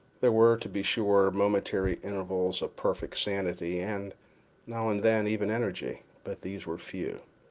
There were, to be sure, momentary intervals of perfect sanity, and, now and then, even of energy; but these were few.